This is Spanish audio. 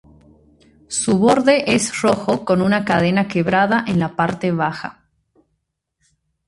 Su borde es rojo con una cadena quebrada en la parte baja.